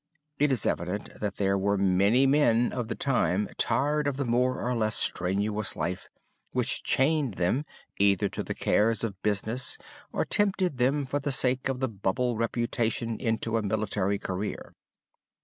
It is evident that there were many men of the time tired of the more or less strenuous life, which chained them either to the cares of business or tempted them for the sake of the bubble reputation into a military career.